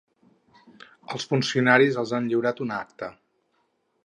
Els funcionaris els han lliurat una acta.